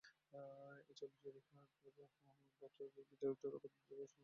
এই চলচ্চিত্রের মাধ্যমে তিন বছর বিরতির পর অভিনেতা হিসেবে আবার চলচ্চিত্রে ফিরে আসে মহেশ বাবু।